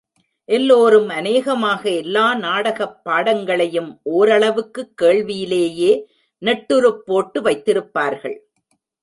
எல்லோரும் அநேகமாக எல்லா நாடகப் பாடங்களையும் ஒரளவுக்குக் கேள்வியிலேயே நெட்டுருப் போட்டு வைத்திருப்பார்கள்.